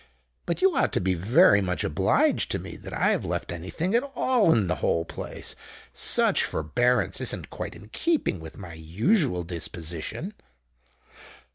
But you ought to be very much obliged to me that I've left any thing at all in the whole place. Such forbearance isn't quite in keeping with my usual disposition."